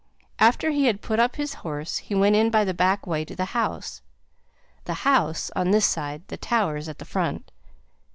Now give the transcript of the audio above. After he had put up his horse, he went in by the back way to the house; the "House" on this side, the "Towers" at the front.